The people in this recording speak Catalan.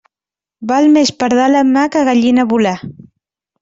Val més pardal en mà que gallina volar.